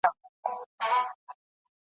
نه چي سهار کیږي له آذان سره به څه کوو `